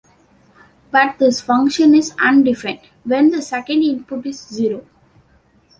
But this function is undefined when the second input is zero.